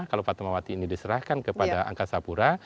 kalau fatmawati ini diserahkan kepada angkasa pura